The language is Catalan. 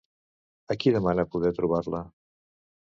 A qui demana poder trobar-la?